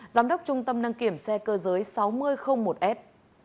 giám đốc trung tâm đăng kiểm xe cơ giới sáu nghìn một s